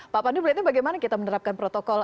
pak pandu melihatnya bagaimana kita menerapkan protokol